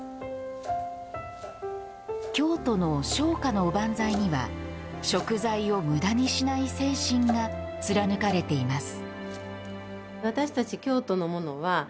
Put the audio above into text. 京都の商家のおばんざいには食材を無駄にしない精神が貫かれています。